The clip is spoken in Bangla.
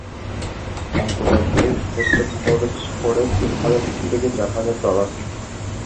অঙ্কোটাইপ ডিএক্স টেস্টে খরচ পড়ে তিন হাজার থেকে চার হাজার ডলার।